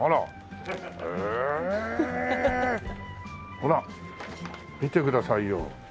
ほら見てくださいよ。